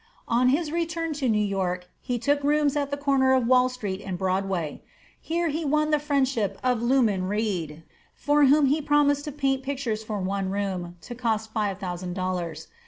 On his return to New York he took rooms at the corner of Wall Street and Broadway. Here he won the friendship of Luman Reed, for whom he promised to paint pictures for one room, to cost five thousand dollars.